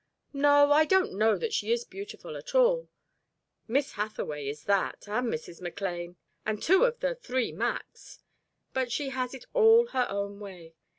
"No, I don't know that she is beautiful at all. Miss Hathaway is that, and Mrs. McLane, and two of the 'three Macs'. But she has it all her own way.